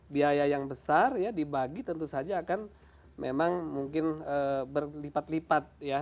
biaya yang besar ya dibagi tentu saja akan memang mungkin berlipat lipat ya